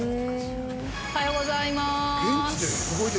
おはようございます。